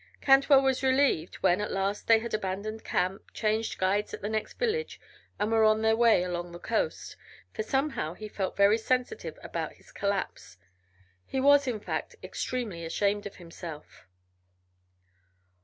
Cantwell was relieved when at last they had abandoned camp, changed guides at the next village, and were on their way along the coast, for somehow he felt very sensitive about his collapse. He was, in fact, extremely ashamed of himself.